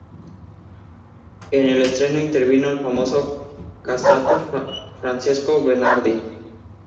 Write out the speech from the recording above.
En el estreno intervino el famoso castrato Francesco Bernardi.